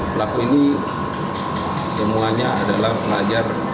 pelaku ini semuanya adalah pengajar